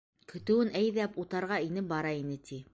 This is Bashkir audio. Көтөүен әйҙәп, утарға инеп бара ине, ти.